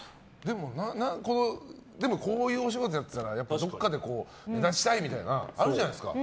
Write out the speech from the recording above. でもこういうお仕事をやってたらどこかで目立ちたいみたいなのあるじゃないですか。